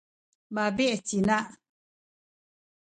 mabi’ ci ina.